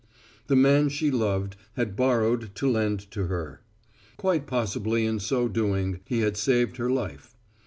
The man she loved had borrowed to lend to her. Quite possibly in so doing he had saved her life.